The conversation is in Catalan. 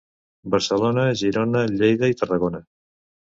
Barcelona, Girona, Lleida i Tarragona.